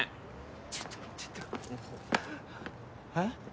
ちょっとちょっとえっ？